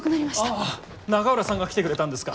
ああ永浦さんが来てくれたんですか。